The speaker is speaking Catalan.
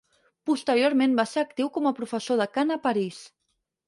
Posteriorment va ser actiu com a professor de cant a París.